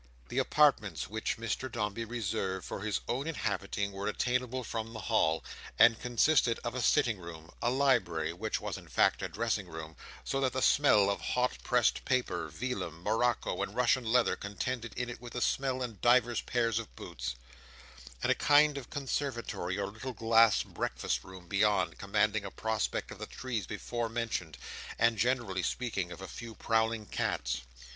The apartments which Mr Dombey reserved for his own inhabiting, were attainable from the hall, and consisted of a sitting room; a library, which was in fact a dressing room, so that the smell of hot pressed paper, vellum, morocco, and Russia leather, contended in it with the smell of divers pairs of boots; and a kind of conservatory or little glass breakfast room beyond, commanding a prospect of the trees before mentioned, and, generally speaking, of a few prowling cats.